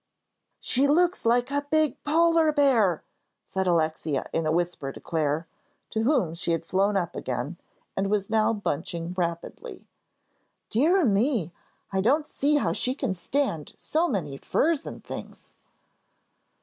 "She looks like a big polar bear," said Alexia, in a whisper to Clare, to whom she had flown up again, and was now bunching rapidly. "Dear me, I don't see how she can stand so many furs and things."